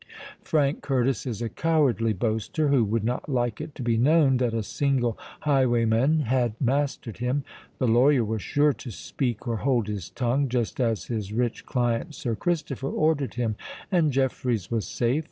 Frank Curtis is a cowardly boaster, who would not like it to be known that a single highwayman had mastered him;—the lawyer was sure to speak or hold his tongue, just as his rich client Sir Christopher ordered him;—and Jeffreys was safe.